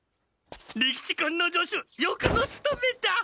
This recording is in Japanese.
利吉君の助手よくぞつとめた！